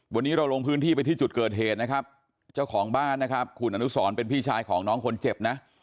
วันนี้เราลงพื้นที่ไปที่จุดเกิดเหตุนะครับเจ้าของบ้านนะครับคุณอนุสรเป็นพี่ชายของน้องคนเจ็บนะ